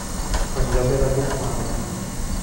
آنجا بروید پایین.